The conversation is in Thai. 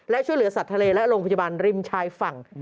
และช่วยเหลือสัตว์ทะเลและโรงพยาบาลริมชายฝั่ง